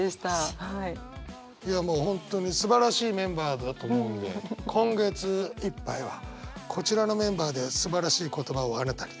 いやもう本当にすばらしいメンバーだと思うので今月いっぱいはこちらのメンバーですばらしい言葉をあなたにｔｏｙｏｕ。